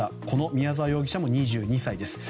宮沢容疑者も２２歳です。